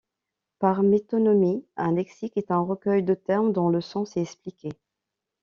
Par métonymie, un lexique est un recueil de termes dont le sens est expliqué.